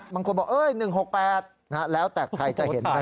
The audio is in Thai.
บางคนบอกเอ๊ย๑๖๘แล้วแต่ใครจะเห็นนะครับ